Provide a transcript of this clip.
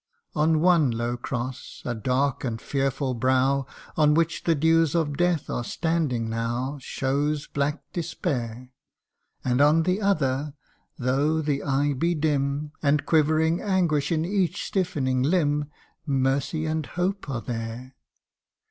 On one low cross a dark and fearful brow, On which the dews of death are standing now, 12 THE UNDYING ONE. Shows black despair : And on the other, though the eye be dim, And quivering anguish in each stiffening limb, Mercy and hope are there